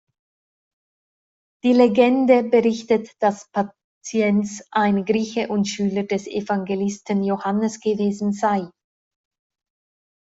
Die Legende berichtet, dass Patiens ein Grieche und Schüler des Evangelisten Johannes gewesen sei.